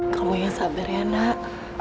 kamu yang sabar ya nak